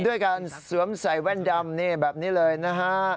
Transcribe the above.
ด้วยการสวมใส่แว่นดำนี่แบบนี้เลยนะฮะ